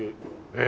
ええ！？